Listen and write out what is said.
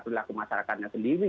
berlaku masyarakatnya sendiri